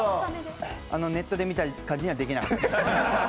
ネットで見た感じにはできなかった。